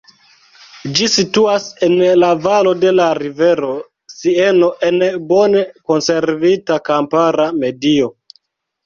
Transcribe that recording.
Ĝi situas en la valo de la rivero Sieno en bone konservita kampara medio.